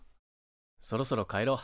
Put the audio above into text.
そろそろ帰ろう。